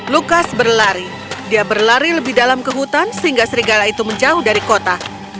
lukas berlari dia berlari lebih dalam ke hutan sehingga serigala itu menjauh dari kota